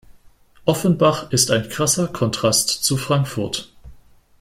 Offenbach ist ein krasser Kontrast zu Frankfurt.